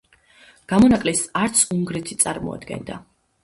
გამონაკლისს არც უნგრეთი წარმოადგენდა.